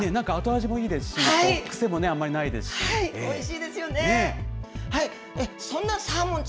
なんか後味もいいですし、癖もあんまりないですし。